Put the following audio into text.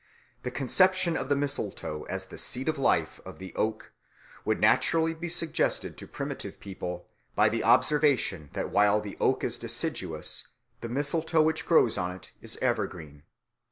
The conception of the mistletoe as the seat of life of the oak would naturally be suggested to primitive people by the observation that while the oak is deciduous, the mistletoe which grows on it is evergreen.